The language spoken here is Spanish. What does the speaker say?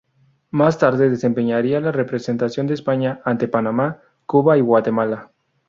Más tarde desempeñaría la representación de España ante Panamá, Cuba y Guatemala.